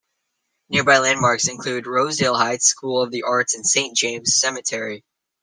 Nearby landmarks include Rosedale Heights School of the Arts and Saint James Cemetery.